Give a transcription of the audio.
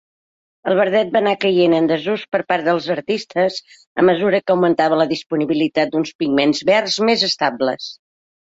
El verdet va anar caient en desús per part dels artistes a mesura que augmentava la disponibilitat d'uns pigments verds més estables.